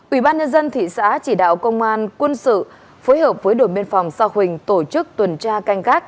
ủy ban nhân dân thị xã chỉ đạo công an quân sự phối hợp với đồn biên phòng sa huỳnh tổ chức tuần tra canh gác